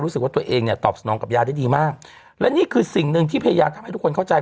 รู้สึกว่าตัวเองเนี่ยตอบสนองกับยาได้ดีมากและนี่คือสิ่งหนึ่งที่พยายามทำให้ทุกคนเข้าใจ